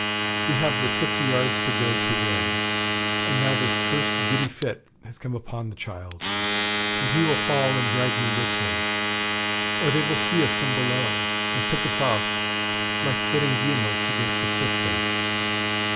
We have but fifty yards to go to win, and now this cursed giddy fit has come upon the child, and he will fall and drag me with him; or they will see us from below, and pick us off like sitting guillemots against the cliff face.'